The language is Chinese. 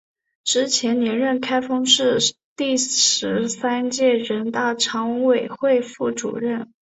之后连任开封市第十三届人大常委会副主任。